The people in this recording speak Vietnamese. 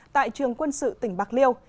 tại trường quân sự tỉnh bạc liêu